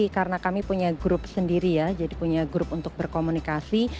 karena kami punya grup sendiri ya jadi punya grup untuk berkomunikasi